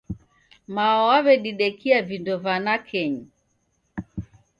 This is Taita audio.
Mao w'aw'edidekia vindo va nakenyi